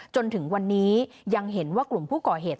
จนถึงวันนี้ยังเห็นว่ากลุ่มผู้ก่อเหตุ